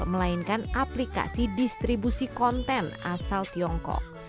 melainkan aplikasi distribusi konten asal tiongkok